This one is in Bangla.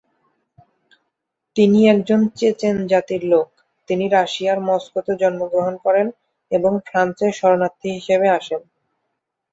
তিনি একজন চেচেন জাতির লোক, তিনি রাশিয়ার মস্কোতে জন্মগ্রহণ করেন, এবং ফ্রান্সে শরণার্থী হিসেবে আসেন।